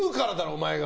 お前が！